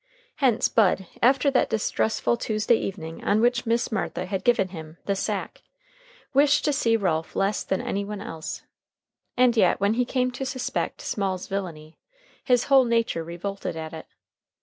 Hence Bud, after that distressful Tuesday evening on which Miss Martha had given him "the sack," wished to see Ralph less than any one else. And yet when he came to suspect Small's villainy, his whole nature revolted at it.